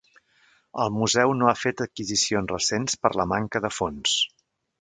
El museu no ha fet adquisicions recents per la manca de fons.